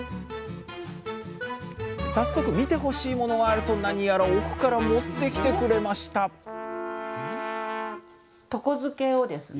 早速見てほしいものがあると何やら奥から持って来てくれました「床漬け」をですね。